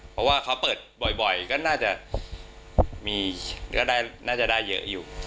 เพราะว่าเขาเปิดบ่อยก็น่าจะมีก็น่าจะได้เยอะอยู่